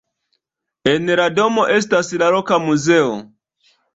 En la domo estas loka muzeo.